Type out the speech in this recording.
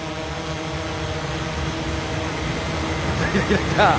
やった！